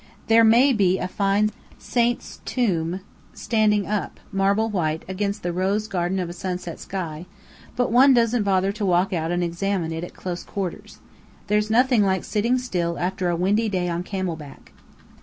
There may be a fine saint's tomb standing up, marble white, against the rose garden of a sunset sky, but one doesn't bother to walk out and examine it at close quarters. There's nothing like sitting still after a windy day on camel back.